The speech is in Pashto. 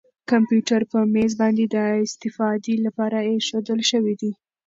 کمپیوټر په مېز باندې د استفادې لپاره اېښودل شوی دی.